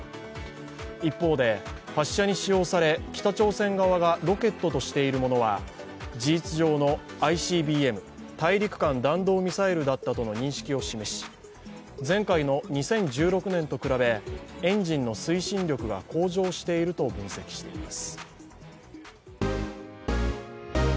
一方で、発射にしようされ北朝鮮側がロケットとしているものは事実上のＩＣＢＭ＝大陸間弾道ミサイルだったとの認識を示し、前回の２０１６年と比べ、エンジンの推進力が向上していると分析しています。